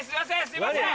すいません！